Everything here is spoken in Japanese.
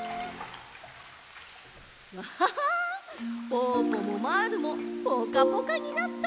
ぽぅぽもまぁるもぽかぽかになった。